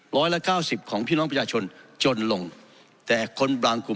ร้อยละเก้าสิบของพี่น้องประชาชนจนลงแต่คนบางกลุ่ม